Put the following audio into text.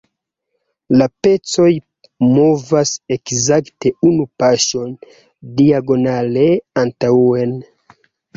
La pecoj movas ekzakte unu paŝon diagonale antaŭen.